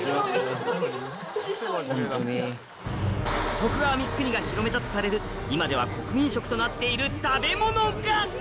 徳川光圀が広めたとされる今では国民食となっている食べ物が！